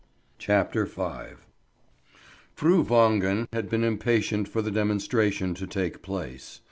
CHAPTER V FRU WANGEN had been impatient for the demonstration to take place.